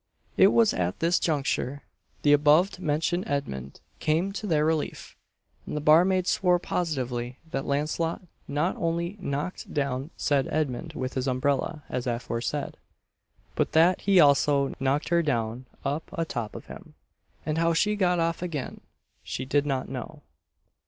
It was at this juncture the above mentioned Edmund came to their relief; and the barmaid swore positively that Launcelot not only knocked down the said Edmund with his umbrella as aforesaid, but that he also "knocked her down up a top of him," and how she got off again she did not know.